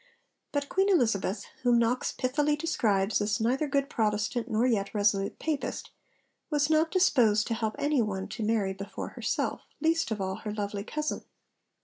But Queen Elizabeth, whom Knox pithily describes as 'neither good Protestant nor yet resolute Papist,' was not disposed to help any one to marry before herself, least of all her lovely cousin.